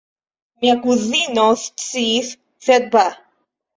Mia kuzino sciis, sed ba!